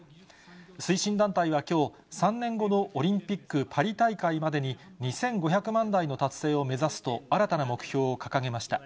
推進団体はきょう、３年後のオリンピックパリ大会までに、２５００万台の達成を目指すと、新たな目標を掲げました。